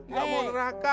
nggak mau neraka